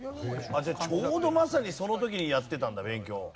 じゃあちょうどまさにその時にやってたんだ勉強。